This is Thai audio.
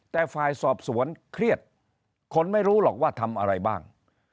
แต่ฝ่ายสอบสวนเครียดคนไม่รู้หรอกว่าทำอะไรบ้าง